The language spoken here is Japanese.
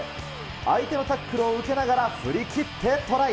相手のタックルを受けながら振りきってトライ。